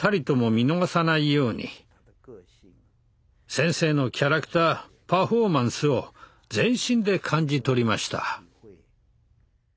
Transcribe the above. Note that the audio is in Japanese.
先生のキャラクターパフォーマンスを全身で感じ取りました。